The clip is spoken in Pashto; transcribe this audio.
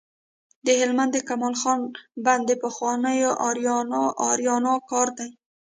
د هلمند د کمال خان بند د پخوانیو آرینو کار دی